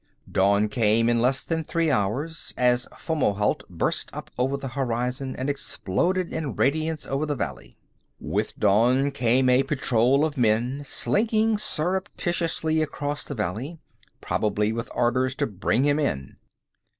Dawn came in less than three hours, as Fomalhaut burst up over the horizon and exploded in radiance over the valley. With dawn came a patrol of men, slinking surreptitiously across the valley, probably with orders to bring him in.